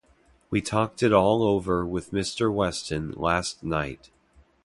We talked it all over with Mr Weston last night.